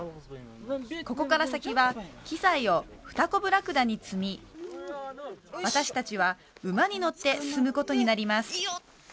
ここから先は機材をフタコブラクダに積み私達は馬に乗って進むことになります